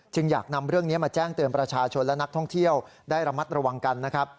อยากนำเรื่องนี้มาแจ้งเตือนประชาชนและนักท่องเที่ยวได้ระมัดระวังกันนะครับ